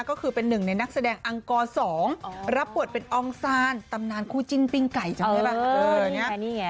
ก็คือเป็นหนึ่งในนักแสดงอังกร๒รับบทเป็นอองซานตำนานคู่จิ้นปิ้งไก่จำได้ป่ะ